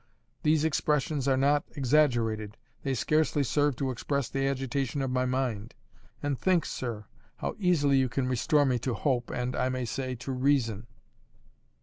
These expressions are not exaggerated, they scarcely serve to express the agitation of my mind. And think, sir, how easily you can restore me to hope and, I may say, to reason.